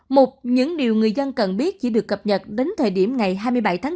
một những điều người dân cần biết chỉ được cập nhật đến thời điểm ngày hai mươi bảy tháng bốn